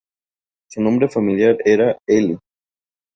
Su nombre familiar era "Elly".